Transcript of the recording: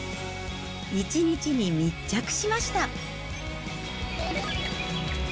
１日に密着しました。